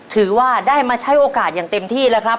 ถือว่าได้มาใช้โอกาสอย่างเต็มที่แล้วครับ